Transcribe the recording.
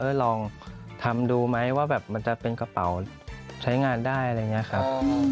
ลองทำดูไหมว่าแบบมันจะเป็นกระเป๋าใช้งานได้อะไรอย่างนี้ครับ